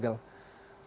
gubernur masih disegel